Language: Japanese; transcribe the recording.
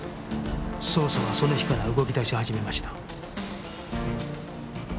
捜査はその日から動き出し始めました